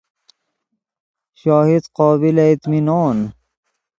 شاهد قابل اطمینان